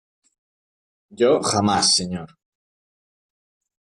yo, jamás , señor.